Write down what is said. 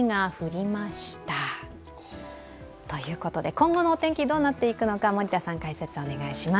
今後のお天気はどうなっていくのか、森田さん、解説をお願いします。